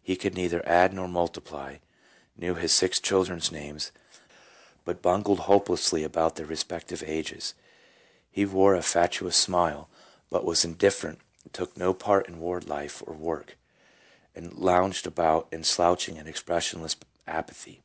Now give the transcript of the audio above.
He could neither add nor multiply, knew his six children's names, but bungled hopelessly about their respective ages. He wore a fatuous smile, but was indifferent, took no part in ward life or work, and lounged about in slouching and expressionless apathy.